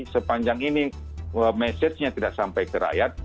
sepanjang ini mesejnya tidak sampai ke rakyat